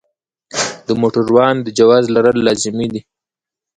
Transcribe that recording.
د موټروان د جواز لرل لازمي دي.